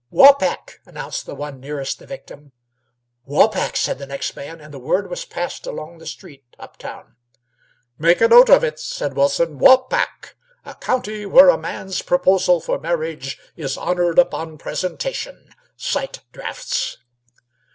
"Waupac!" announced the one nearest the victim. "Waupac!" said the next man, and the word was passed along the street up town. "Make a note of it," said Wilson; "Waupac a county where a man's proposal for marriage is honored upon presentation. Sight drafts."